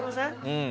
うん。